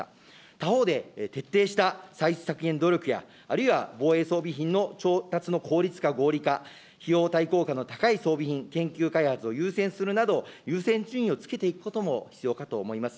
他方で、徹底した歳出削減努力や、あるいは防衛装備品の調達の効率化、合理化、費用対効果の高い装備品、研究開発を優先するなど、優先順位をつけていくことも必要かと思います。